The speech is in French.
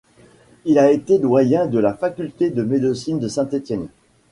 Il a été doyen de la faculté de médecine de Saint-Étienne.